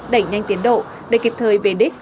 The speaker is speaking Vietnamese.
đẩy nhanh tiến độ để kịp thời về đích